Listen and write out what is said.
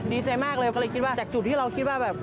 ดีใจมากเลยก็เลยคิดว่าจากจุดที่เราคิดว่าแบบ